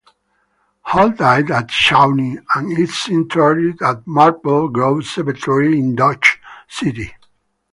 Hall died at Shawnee and is interred at Maple Grove Cemetery in Dodge City.